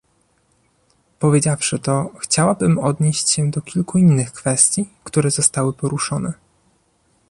Powiedziawszy to, chciałabym odnieść się do kilku innych kwestii, które zostały poruszone